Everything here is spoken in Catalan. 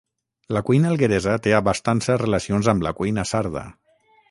La cuina algueresa té a bastança relacions amb la cuina sarda